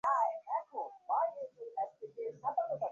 যদ্দ্বারা অনাত্মভাবের বিকাশ, তাহাই অকর্ম।